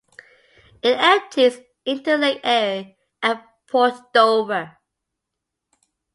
It empties into Lake Erie at Port Dover.